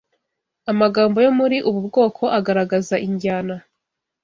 Amagambo yo muri ubu bwoko agaragaza injyana